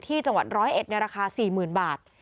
ที่จังหวัดร้อยเอ็ดในราคา๔๐๐๐๐บาท